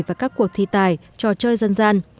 và các cuộc thi tài trò chơi dân gian